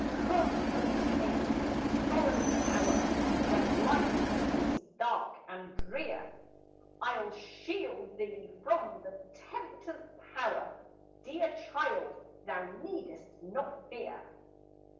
"Come unto me in sorrow's hour When life seems dark and drear; I'll shield thee from the tempter's power; Dear child, thou need'st not fear.